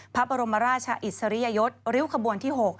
พระบรมราชอิสริยยศริ้วขบวนที่๖